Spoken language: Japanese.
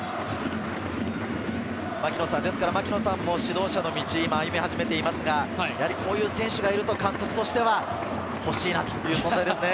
槙野さんも指導者の道を歩み始めていますが、こういう選手がいると監督としては欲しいなという存在ですね。